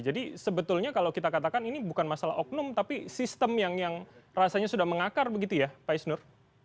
jadi sebetulnya kalau kita katakan ini bukan masalah oknum tapi sistem yang rasanya sudah mengakar begitu ya pak isnur